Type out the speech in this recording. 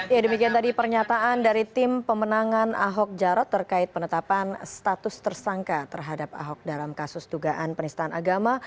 ya demikian tadi pernyataan dari tim pemenangan ahok jarot terkait penetapan status tersangka terhadap ahok dalam kasus dugaan penistaan agama